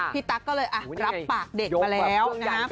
พี่ตั๊กก็เลยรับปากเด็กไปแล้วนะครับ